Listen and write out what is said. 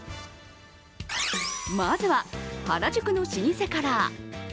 まずは原宿の老舗から。